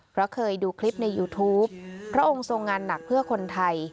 เพราะเคยดูคลิปในยูทูปพระองค์ทรงงานหนักเพื่อคนไทย